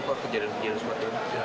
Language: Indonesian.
apa kejadian kejadian sepertinya